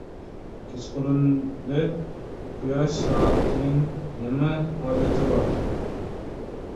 • Kechqurunda quyosh soatining nima hojati bor?